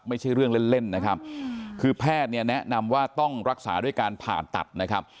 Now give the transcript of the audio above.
ไม่ใช่เรื่องเล่นเล่นนะครับคือแพทย์เนี่ยแนะนำว่าต้องรักษาด้วยการผ่าตัดนะครับ